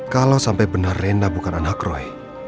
kalau sampai benar renda bukan anak roy